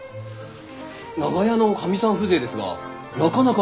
長屋のかみさん風情ですがなかなかべっぴんで。